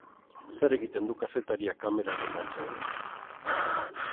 Zer egiten du kazetariak kameraren atzean?